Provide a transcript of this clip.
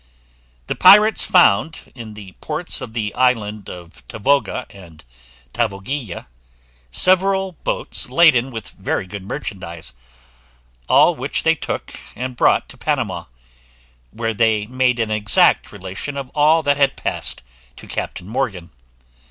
The pirates found, in the ports of the island of Tavoga and Tavogilla, several boats laden with very good merchandise; all which they took, and brought to Panama, where they made an exact relation of all that had passed to Captain Morgan.